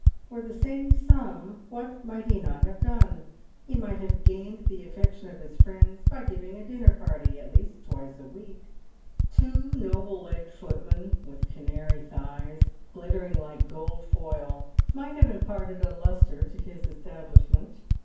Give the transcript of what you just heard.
For the same sum what might he not have done ? He might have gained the affec tion of his friends by giving a dinner party at least twice a week. Two noble legged footmen, with canary thighs, glittering like gold foil, might have imparted a lustre to his establishment.